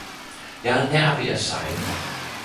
Jeg er nær ved at sejle!